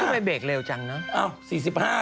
ก็ทำไมเบรกเร็วจังนะ